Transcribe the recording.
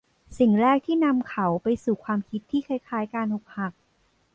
สิ่งแรกที่นำเขาไปสู่ความคิดที่คล้าย ๆ การอกหัก